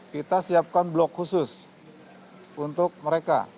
kita siapkan blok khusus untuk mereka